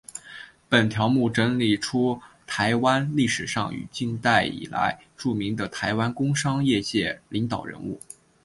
本条目整理出台湾历史上与近代以来著名的台湾工商业界领导人物。